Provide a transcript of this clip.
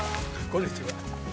こんにちは。